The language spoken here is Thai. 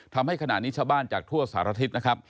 ทำให้ขณะนี้ชาวบ้านจากทั่วสารทิศนะครับ